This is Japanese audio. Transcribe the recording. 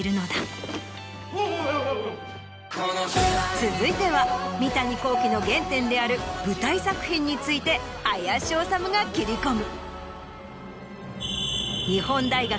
続いては三谷幸喜の原点である舞台作品について林修が切り込む。